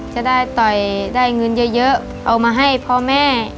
จะได้ต่อยได้เงินเยอะเอามาให้พ่อแม่